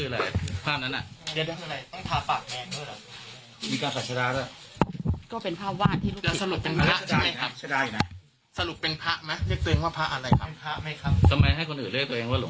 เอาแล้วมีการสดชดาอันนี้เงินอะไรเนี่ยเงินอะไรตาบหน่อยแล้วเงินอะไร